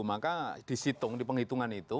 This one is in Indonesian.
maka dihitung di penghitungan itu